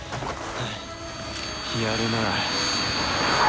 やるな。